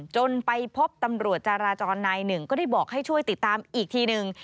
จนไปพบตำรวจจาราจรนายหนึ่งก็ได้บอกให้ช่วยติดตามอีกทีหนึ่ง